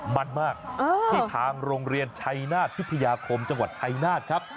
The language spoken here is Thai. มันมากที่ทางโรงเรียนชัยนาศพิทยาคมจังหวัดชัยนาธครับ